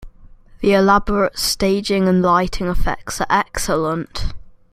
The elaborate staging and lighting effects are excellent.